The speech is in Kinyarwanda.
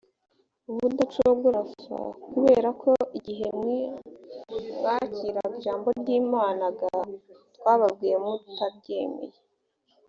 ubudacogora f kubera ko igihe mwakiraga ijambo ry imana g twababwiye mutaryemeye